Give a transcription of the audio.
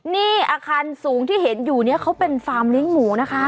นี่อาคารสูงที่เห็นอยู่เนี่ยเขาเป็นฟาร์มเลี้ยงหมูนะคะ